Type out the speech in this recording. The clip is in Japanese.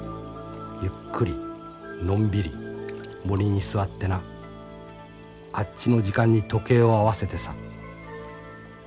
ゆっくりのんびり森に座ってなあっちの時間に時計を合わせてさ。